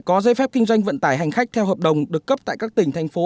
có dây phép kinh doanh vận tải hành khách theo hợp đồng được cấp tại các tỉnh thành phố